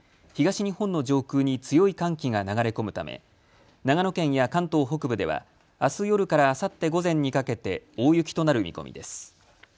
東日本の上空に強い寒気が流れ込むため長野県や関東北部ではあす夜からあさって午前にかけて大雪となる見込みです。